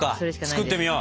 作ってみよう。